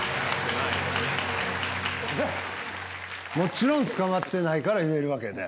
もちろん捕まってないから言えるわけで。